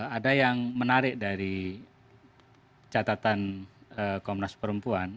ada yang menarik dari catatan komnas perempuan